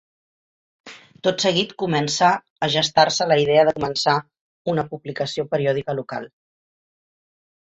Tot seguit començà a gestar-se la idea de començar una publicació periòdica local.